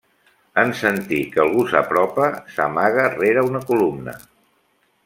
En sentir que algú s'apropa, s'amaga rere una columna.